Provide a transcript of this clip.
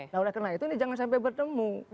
nah udah kena itu ini jangan sampai bertemu